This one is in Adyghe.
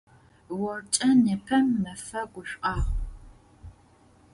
Оркӏэ непэ мэфэ гушӏуагъу.